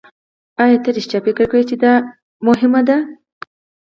ایا ته رښتیا فکر کوې چې دا اړینه ده